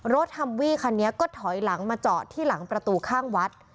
ฮัมวี่คันนี้ก็ถอยหลังมาจอดที่หลังประตูข้างวัด